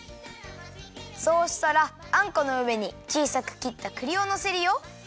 そうしたらあんこのうえにちいさくきったくりをのせるよ。